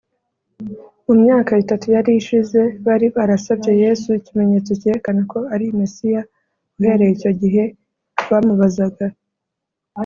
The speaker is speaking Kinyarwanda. mu myaka itatu yari ishize bari barasabye yesu ikimenyetso cyerekana ko ari mesiya uhereye icyo gihe bamubazaga,